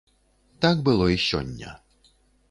Так было і сёння.